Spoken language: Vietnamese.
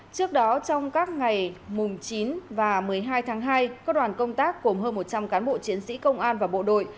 trước đó trong các ngày mùng chín và một mươi hai tháng hai các đoàn công tác gồm hơn một trăm linh cán bộ chiến sĩ công an và bộ đội